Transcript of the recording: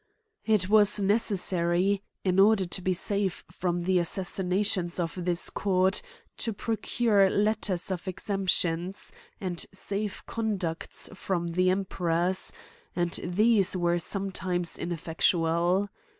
* It was necessary, in order to be safe from the assassinations of this court, to proem e letters of exemption, and safe conducts from the Emperc rs, and these were sometimes ineffectual.